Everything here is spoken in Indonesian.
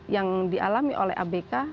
yang dialami oleh abk